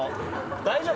大丈夫？